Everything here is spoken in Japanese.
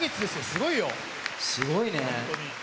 すごいね。